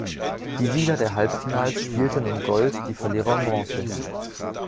Die Sieger der Halbfinals spielten um Gold, die Verlierer um Bronze.